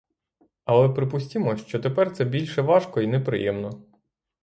Але припустімо, що тепер це більше важко й неприємно.